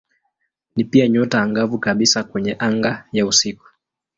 Ni pia nyota angavu kabisa kwenye anga ya usiku.